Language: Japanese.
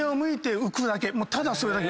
ただそれだけ。